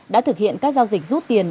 đã thực hiện các giao dịch rút tiền